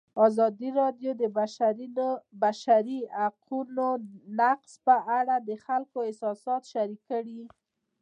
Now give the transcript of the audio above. ازادي راډیو د د بشري حقونو نقض په اړه د خلکو احساسات شریک کړي.